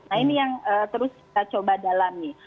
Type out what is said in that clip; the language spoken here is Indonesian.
nah ini yang terus kita coba dalami